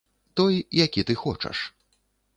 Той, які ты хочаш.